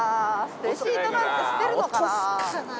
レシートなんて捨てるのかな。